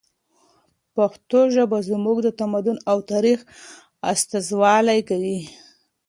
پښتو ژبه زموږ د تمدن او تاریخ استازولي کوي.